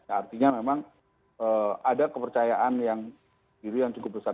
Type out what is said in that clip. artinya memang ada kepercayaan yang diri yang cukup besar